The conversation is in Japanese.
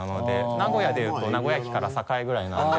名古屋でいうと名古屋駅から栄ぐらいなので。